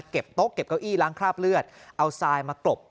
โต๊ะเก็บเก้าอี้ล้างคราบเลือดเอาทรายมากรบ